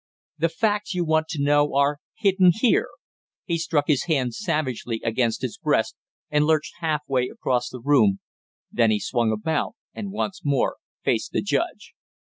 "The facts you want to know are hidden here!" He struck his hand savagely against his breast and lurched half way across the room, then he swung about and once more faced the judge.